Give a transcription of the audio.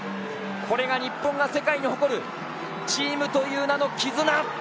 これが日本が世界に誇るチームという名の絆。